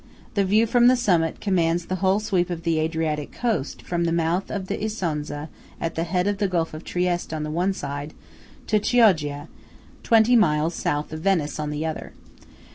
The view from the summit commands the whole sweep of the Adriatic coast from the mouth of the Isonza at the head of the Gulf of Trieste on the one side, to Chioggia, twenty miles south of Venice on the other.